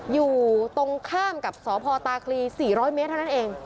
อยู่ตรงข้ามกับสพตาคลี๔๐๐เมตรเท่านั้นเอง